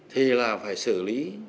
thì là phải xử lý